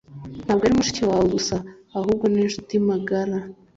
ntabwo ari mushiki wawe gusa ahubwo ninshuti magara